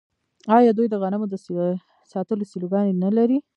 آیا دوی د غنمو د ساتلو سیلوګانې نلري؟